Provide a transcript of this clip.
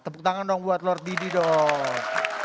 tepuk tangan dong buat lord didi dong